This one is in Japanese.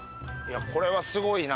これはすごいな。